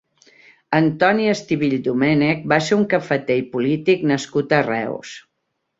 Antoni Estivill Domènech va ser un cafeter i polític nascut a Reus.